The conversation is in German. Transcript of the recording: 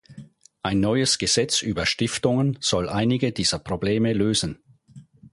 Ein neues Gesetz über Stiftungen soll einige dieser Probleme lösen.